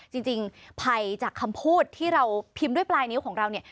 จริงภัยจากคำพูดที่เราพิมพ์ด้วยปลายนิ้วของเราเนี่ย